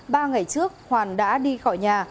ba ngày trước hoàn đã đi khỏi nhà